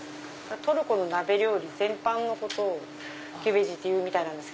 トルコの鍋料理全般のことをギュベジっていうみたいなんです。